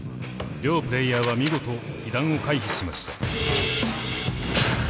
両プレーヤーは見事被弾を回避しました。